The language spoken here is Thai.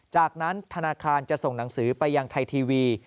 จากนั้นธนาคารจะส่งหนังสือไปยังไทยทีวี